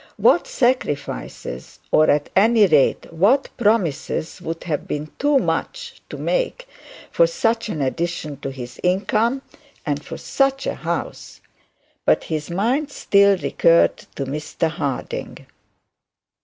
What sacrifices, or, at any rate, what promises, would have been too much to make for such an addition to his income, and for such a house! But his mind still recurred to Mr Harding.